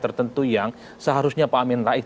tertentu yang seharusnya pak amin rais